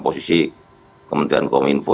posisi kementerian komunikasi info